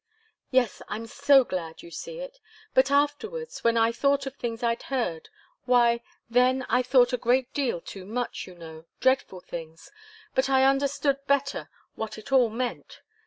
"Yes. I'm so glad you see it. But afterwards, when I thought of things I'd heard why, then I thought a great deal too much, you know dreadful things! But I understood better what it all meant.